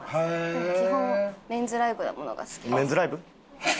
でも基本メンズライクなものが好き。